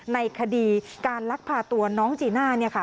ในคดีการลักพาตัวน้องจีน่า